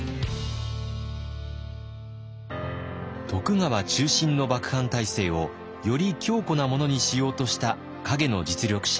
徳川中心の幕藩体制をより強固なものにしようとした陰の実力者